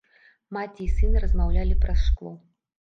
Маці і сын размаўлялі праз шкло.